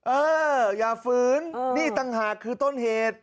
เอออย่าฝืนนี่ต่างหากคือต้นเหตุ